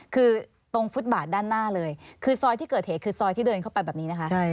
คือตรงฟุตบาทด้านหน้าเลยคือซอยที่เกิดเหตุคือซอยที่เดินเข้าไปแบบนี้นะคะ